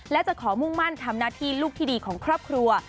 และจะขอมุ่งมั่นทำหน้าที่ลูกที่ดีของครอบครัว